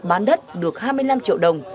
bán đất được hai mươi năm triệu đồng